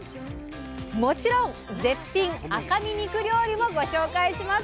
もちろん絶品赤身肉料理もご紹介しますよ！